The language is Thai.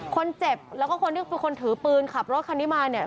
คนเจ็บแล้วก็คนที่เป็นคนถือปืนขับรถคันนี้มาเนี่ย